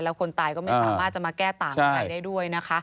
แล้วคนตายก็ไม่สามารถจะมาแก้ต่างอะไรได้ด้วยนะคะ